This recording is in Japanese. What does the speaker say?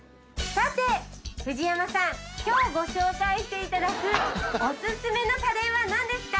さて藤山さん今日ご紹介していただくオススメの家電はなんですか？